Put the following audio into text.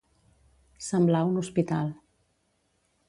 Semblar un hospital.